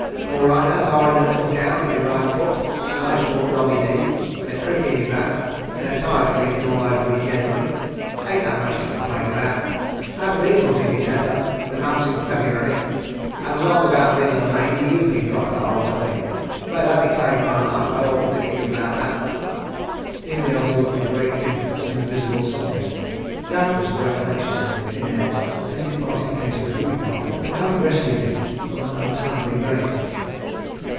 I'm all right now, barrin' a little gout in my right foot, and ice water on my knee, an' a crick in my back, an' a tired feelin' all over me generally. Ain't had much to complain about. Had the measles in December, and the mumps in February; an' along about the middle o' May the whoopin' cough got a holt of me; but as it saved my life I oughtn't to kick about that." Here Beelzy looked gratefully at an invisible something doubtless the recollection in the thin air of his departed case of whooping cough, for having rescued him from an untimely grave.